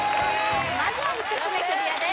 まずは１曲目クリアです